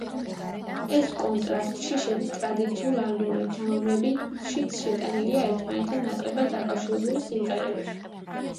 ეს კონტრასტში შედის ტრადიციულ ალბომებთან, რომლებშიც შეტანილია ერთმანეთთან ნაკლებად დაკავშირებული სიმღერები.